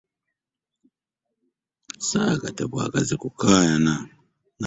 Ssaayagadde bwagazi kukaayana naye nabadde mutuufu.